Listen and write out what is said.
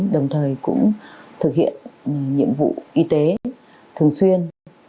đồng thời cũng thực hiện nhiệm vụ y tế thường xuyên